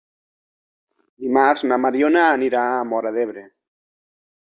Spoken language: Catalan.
Dimarts na Mariona anirà a Móra d'Ebre.